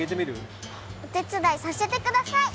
おてつだいさせてください！